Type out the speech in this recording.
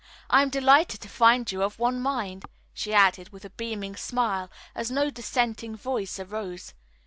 I am delighted to find you of one mind," she added, with a beaming smile, as no dissenting voice arose.